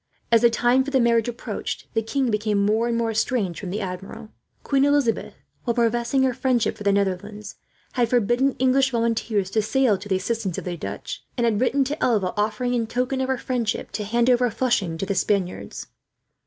As the time for the marriage approached, the king became more and more estranged from the Admiral. Queen Elizabeth, while professing her friendship for the Netherlands, had forbidden English volunteers to sail to the assistance of the Dutch; and had written to Alva offering, in token of her friendship, to hand over Flushing to the Spaniards.